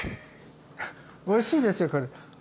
おいしいですよこれ。